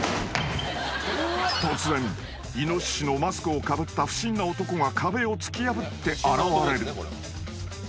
［突然イノシシのマスクをかぶった不審な男が壁を突き破って現れる］